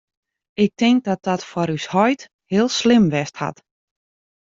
Ik tink dat dat foar ús heit heel slim west hat.